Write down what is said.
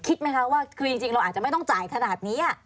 คิดไหมคะว่าคือจริงเราอาจจะไม่ต้องจ่ายขนาดนี้